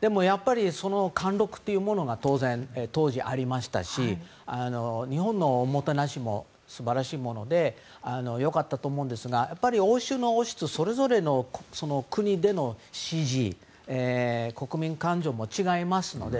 でもやっぱり、貫禄というものは当時、当然ありましたし日本のおもてなしも素晴らしいもので良かったと思うんですがやっぱり欧州の王室はそれぞれの国での支持国民感情も違いますので。